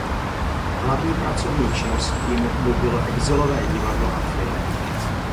Hlavní pracovní činností mu bylo exilové divadlo a film.